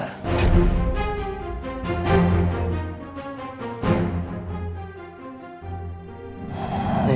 tidak ada yang bisa menghubungi riri